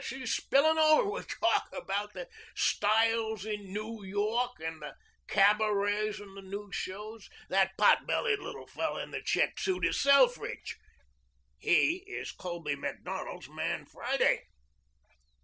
She's spillin' over with talk about the styles in New York and the cabarets and the new shows. That pot bellied little fellow in the checked suit is Selfridge. He is Colby Macdonald's man Friday."